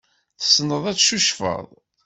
Tessneḍ ad tcucfeḍ?